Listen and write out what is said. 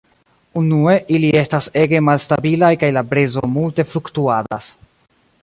Unue, ili estas ege malstabilaj, kaj la prezo multe fluktuadas.